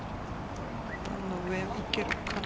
段の上、行けるかな？